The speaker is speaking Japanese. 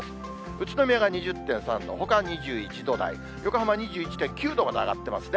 宇都宮が２０．３度、ほか２１度台、横浜２１．９度まで上がってますね。